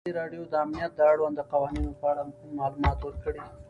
ازادي راډیو د امنیت د اړونده قوانینو په اړه معلومات ورکړي.